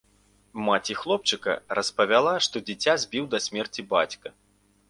Маці хлопчыка распавяла, што дзіця збіў да смерці бацька.